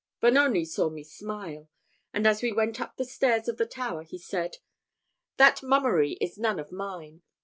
Vanoni saw me smile; and as we went up the stairs of the tower, he said, "That mummery is none of mine.